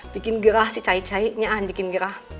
bikin gerah si cai cai nyan bikin gerah